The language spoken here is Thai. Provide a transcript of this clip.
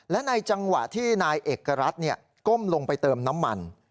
และในจังหวะที่นายเอกรัฐก้มลงไปเติมน้ำมัน